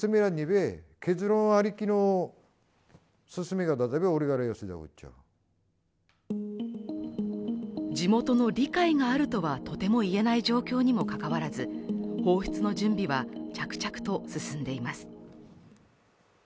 地元相馬双葉漁協の組合長は地元の理解があるとはとても言えない状況にもかかわらず、放出の準備は着々と進んでいます。